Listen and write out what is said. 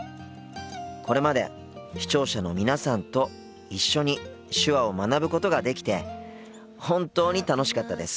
これまで視聴者の皆さんと一緒に手話を学ぶことができて本当に楽しかったです。